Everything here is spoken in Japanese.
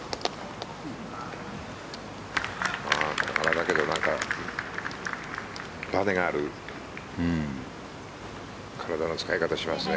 だけど、ばねがある体の使い方しますね。